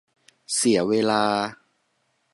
เสียเวลา